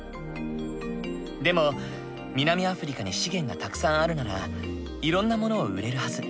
でも南アフリカに資源がたくさんあるならいろんな物を売れるはず。